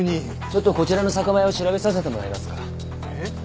ちょっとこちらの酒米を調べさせてもらいますから。